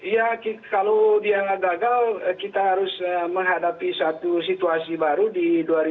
ya kalau dia nggak gagal kita harus menghadapi satu situasi baru di dua ribu dua puluh